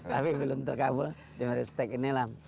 tapi belum terkabul